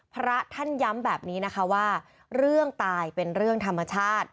พระท่านย้ำแบบนี้นะคะว่าเรื่องตายเป็นเรื่องธรรมชาติ